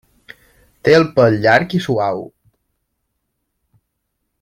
Té el pèl llarg i suau.